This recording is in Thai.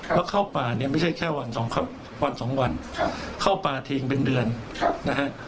แล้วเข้าป่าเนี่ยไม่ใช่แค่วันสองวันสองวันเข้าป่าทิ้งเป็นเดือนนะฮะ